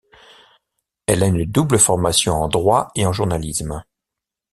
Elle a une double formation en droit et en journalisme.